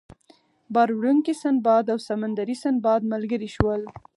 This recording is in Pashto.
بار وړونکی سنباد او سمندري سنباد ملګري شول.